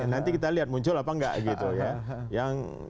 nanti kita lihat muncul apa enggak gitu ya